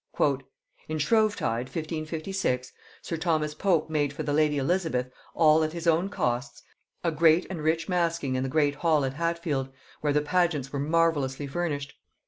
"In Shrove tide 1556, sir Thomas Pope made for the lady Elizabeth, all at his own costs, a great and rich masking in the great hall at Hatfield, where the pageants were marvellously furnished.